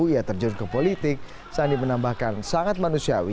ia terjun ke politik sandi menambahkan sangat manusiawi